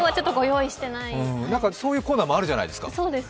そういうコーナーもあるじゃないですか。